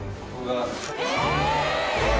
え！